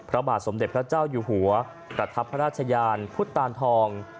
พระบาทสมเด็จพระเจ้าอยู่หัวประทับพระราชยานพุทธตานทอง